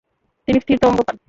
তিনি স্থির তরঙ্গ পান।